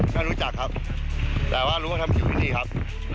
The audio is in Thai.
ก็รู้จักครับแต่ว่ารู้ว่าทำอยู่ที่นี่ครับ